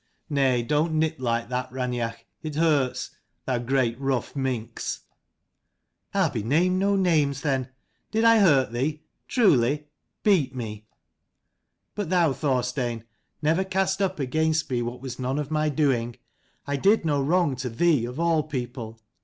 Nay, don't nip like that, Raineach : it hurts, thou great rough minx!" " I'll be named no names then. Did I hurt thee? Truly? Beat me. But thou, Thorstein, never cast up against me what was none of my doing. I did no wrong to thee, of all people.